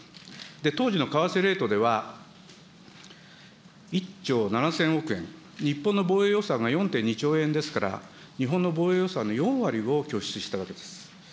当時の為替レートでは、１兆７０００億円、日本の防衛予算が４．２兆円ですから、日本の防衛予算の４割を拠出したわけです。